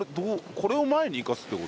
これを前に行かすって事？